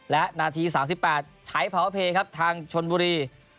และนาที๓๘ถ่ายพาวะเพลย์ครับทางชนบุรี